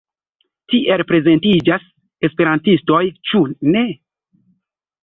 Tiel prezentiĝas esperantistoj, ĉu ne?